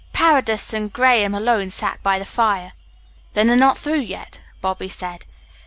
Paredes and Graham alone sat by the fire. "Then they're not through yet," Bobby said.